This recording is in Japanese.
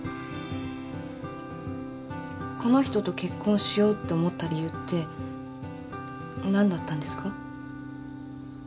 この人と結婚しようって思った理由って何だったんですか？